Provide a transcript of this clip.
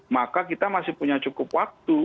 maka kita masih punya cukup waktu